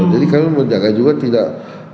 jadi kami menjaga juga tidak